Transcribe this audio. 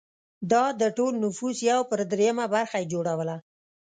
دا د ټول نفوس یو پر درېیمه برخه یې جوړوله